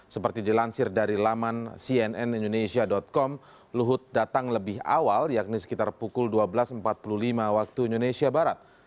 seperti dilansir dari laman cnnindonesia com luhut datang lebih awal yakni sekitar pukul dua belas empat puluh lima waktu indonesia barat